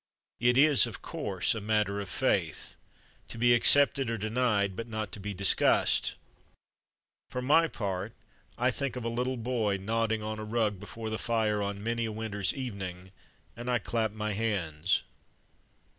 It is, of course, a matter of faith, to be accepted or denied, but not to be discussed. For my part, I think of a little boy nodding on a rug before the fire on many a winter's even ing, and I clap my hands.